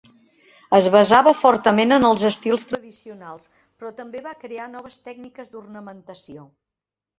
Es basava fortament en els estils tradicionals, però també va crear noves tècniques d'ornamentació.